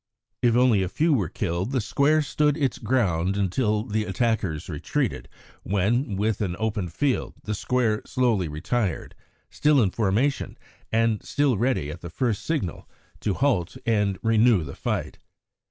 If only a few were killed, the square stood its ground until the attackers retreated, when, with an open field, the square slowly retired, still in formation, and still ready, at the first signal, to halt and renew the fight.